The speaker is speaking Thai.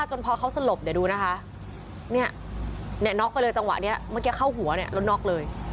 แถวนี้ไปก็นอกไปนี่เมื่อกี้เขาหัวนอกเลย